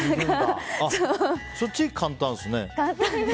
そっちは簡単ですね。